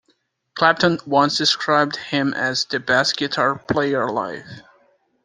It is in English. Clapton once described him as "the best guitar player alive".